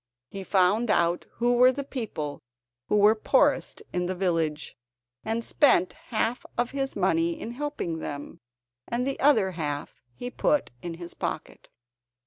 He found out who were the people who were poorest in the village, and spent half of his money in helping them, and the other half he put in his pocket.